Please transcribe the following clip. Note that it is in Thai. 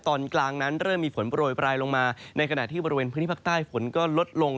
ตอนกลางนั้นเริ่มมีฝนโปรยปลายลงมาในขณะที่บริเวณพื้นที่ภาคใต้ฝนก็ลดลง